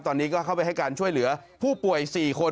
ตอนนี้ก็เข้าไปให้การช่วยเหลือผู้ป่วย๔คน